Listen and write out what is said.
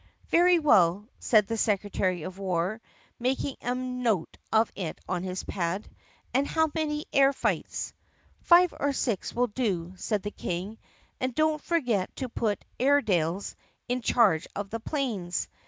"Very well," said the secretary of war, making a note of it on his pad. "And how many air fights?" "Five or six will do," said the King, "and don't forget to put Airedales in charge of the 'planes.